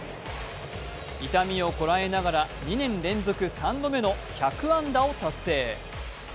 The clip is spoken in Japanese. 痛みをこらえながら２年連続３度目の１００安打を達成。